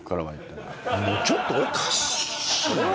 ちょっとおかしい。